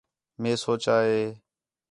مئے سوچا ہے